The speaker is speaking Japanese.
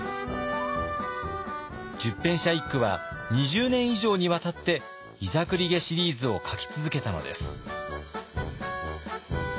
十返舎一九は２０年以上にわたって「膝栗毛シリーズ」を書き続けたのです。